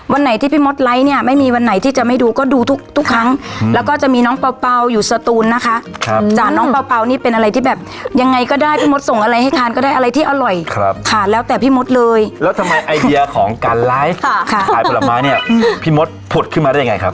วันไหนที่พี่มดไลค์เนี้ยไม่มีวันไหนที่จะไม่ดูก็ดูทุกทุกครั้งอืม